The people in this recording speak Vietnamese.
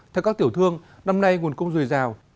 theo các tiểu thương năm nay nguồn cung rùi rào